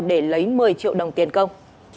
để lấy một mươi triệu đồng tiền công